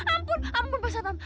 ampun ampun ampun bapak satam